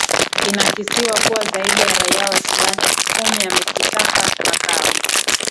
inakisiwa kuwa zaidi ya raia wa sudan elfu kumi amekitaka makao